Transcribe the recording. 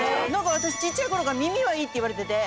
私ちっちゃい頃から耳はいいって言われてて。